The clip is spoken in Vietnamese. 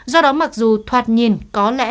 do đó mặc dù thoạt nhìn có lẽ